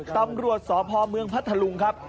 ตำรวจสพเมืองพัทธลุงครับ